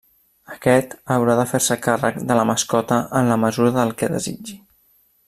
Aquest haurà de fer-se càrrec de la mascota en la mesura del que desitgi.